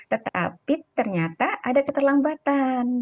tetapi ternyata ada keterlambatan